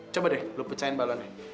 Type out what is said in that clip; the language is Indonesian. coba deh lu pecahin balonnya